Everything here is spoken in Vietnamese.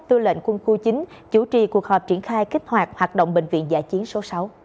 tư lệnh quân khu chín chủ trì cuộc họp triển khai kích hoạt hoạt động bệnh viện giả chiến số sáu